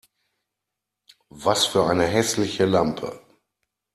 Was für eine hässliche Lampe!